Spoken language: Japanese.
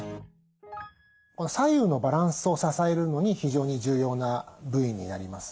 左右のバランスを支えるのに非常に重要な部位になります。